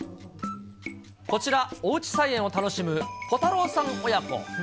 こちら、おうち菜園を楽しむぽたろうさん親子。